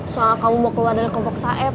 soal kamu mau keluar dari kompok saeb